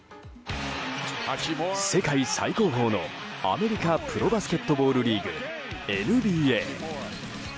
世界最高峰のアメリカプロバスケットボールリーグＮＢＡ。